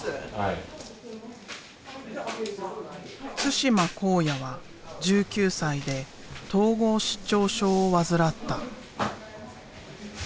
對馬考哉は１９歳で統合失調症を患った。